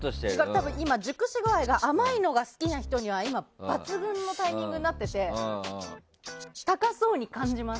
今、熟し具合が甘いのが好きな人には抜群のタイミングになってて高そうに感じます。